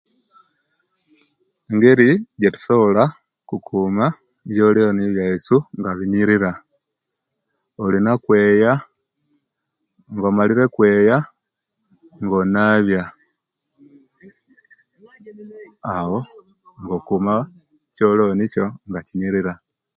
Engeri ejetusonola okukuma ebyoloni byaisu nga biyirira, olina okweya nga omalire okweya nga onabya awo nga okuma ekyoloni Kyo nga kiyirira